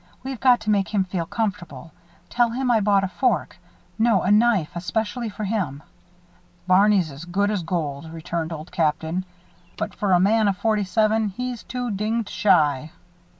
We've got to make him feel comfortable. Tell him I bought a fork no, a knife especially for him." "Barney's as good as gold," returned Old Captain. "But, for a man of forty seven, he's too dinged shy.